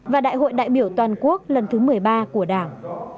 và đại hội đại biểu toàn quốc lần thứ một mươi ba của đảng